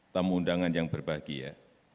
tamu undangan yang berbahagia